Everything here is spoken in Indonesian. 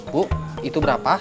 bu itu berapa